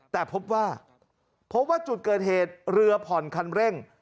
แต่พบว่าพบว่าจุดเกิดเหตุเรือผ่อนคันเร่ง